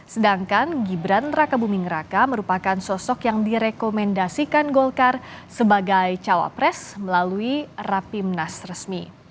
sedangkan gibran raka buming raka merupakan sosok yang direkomendasikan golkar sebagai cawapres melalui rapimnas resmi